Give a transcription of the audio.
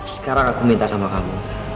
sekarang aku minta sama kamu